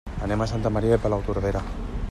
Anem a Santa Maria de Palautordera.